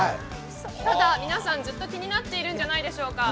ただ皆さん、ずっと気になっているんじゃないでしょうか。